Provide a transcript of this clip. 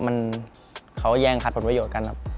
มันเขาแย่งขัดผลประโยชน์กันครับ